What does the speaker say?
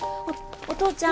お父ちゃん！